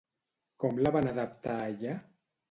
Com la van adaptar allà?